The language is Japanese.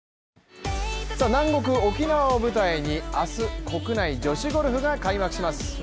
ＪＴ南国・沖縄を舞台に明日、国内女子ゴルフが開幕します。